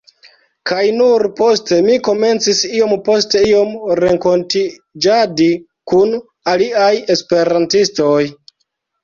kaj nur poste mi komencis iom post iom renkontiĝadi kun aliaj esperantistoj.